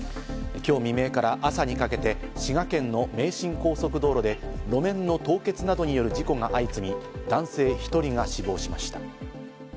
今日未明から朝にかけて、滋賀県の名神高速道路で路面の凍結などによる事故が相次ぎ、男性１人が死亡しました。